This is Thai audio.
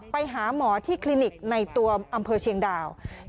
ไปหาหมอที่คลินิกในตัวอำเภอเชียงดาว